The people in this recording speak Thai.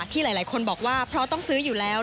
ที่หลายคนบอกว่าเพราะต้องซื้ออยู่แล้ว